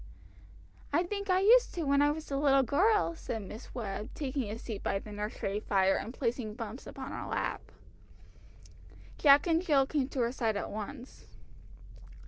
"I think I used to when I was a little girl," said Miss Webb, taking a seat by the nursery fire, and placing Bumps upon her lap. Jack and Jill came to her side at once.